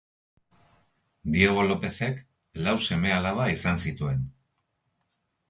Diego Lopezek lau seme-alaba izan zituen.